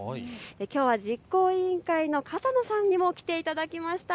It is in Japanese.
きょうは実行委員会の片野さんにも来ていただきました。